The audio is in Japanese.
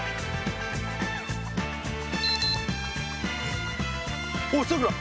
えっおいさくら